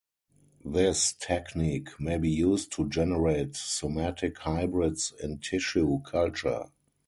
This technique may be used to generate somatic hybrids in tissue culture.